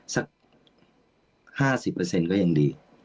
สัก๕๐ก็ยังดี